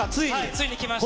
ついにきました。